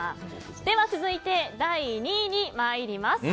では、続いて第２位にまいります。